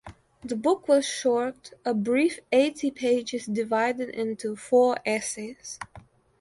The book was short, a brief eighty pages divided into four essays.